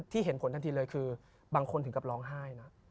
เห็นผลทันทีเลยคือบางคนถึงกับร้องไห้นะ